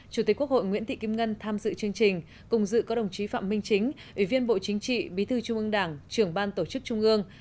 chủ tịch quốc hội nguyễn thị kim ngân tham dự chương trình cùng dự có đồng chí phạm minh chính ủy viên bộ chính trị bí thư trung ương đảng trưởng ban tổ chức trung ương